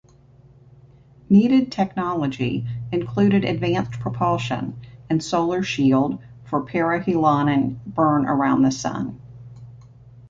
Needed technology included advanced propulsion and solar shield for perihelion burn around the Sun.